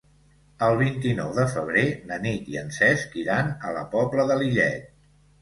El vint-i-nou de febrer na Nit i en Cesc iran a la Pobla de Lillet.